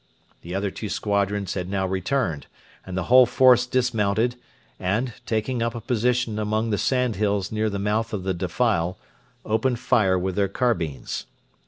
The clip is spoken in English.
The other two squadrons had now returned, and the whole force dismounted, and, taking up a position among the sandhills near the mouth of the defile, opened fire with their carbines.